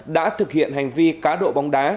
đã thực hiện hành vi cá độ bóng đá